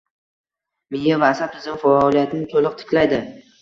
Miya va asab tizimi faoliyatini toʻliq tiklaydi.